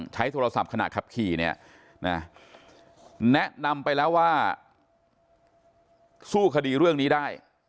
ใช้โทรศัพท์ขณะขับขี่เนี่ยนะแนะนำไปแล้วว่าสู้คดีเรื่องนี้ได้